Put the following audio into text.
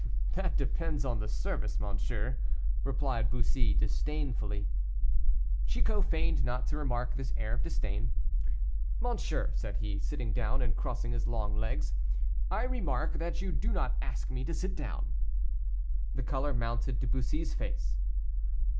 "That depends on the service, monsieur," replied Bussy, disdainfully. Chicot feigned not to remark this air of disdain. "Monsieur," said he, sitting down and crossing his long legs, "I remark that you do not ask me to sit down." The color mounted to Bussy's face.